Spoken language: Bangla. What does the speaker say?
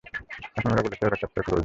এখন ওরা বলছে ওর চ্যাপ্টার ক্লোজড।